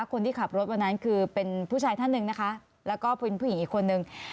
คนที่ขับรถวันนั้นคือเป็นผู้ชายท่านหนึ่งนะคะแล้วก็เป็นผู้หญิงอีกคนนึง